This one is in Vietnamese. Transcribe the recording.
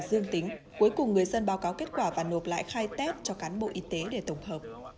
dương tính cuối cùng người dân báo cáo kết quả và nộp lại khai tết cho cán bộ y tế để tổng hợp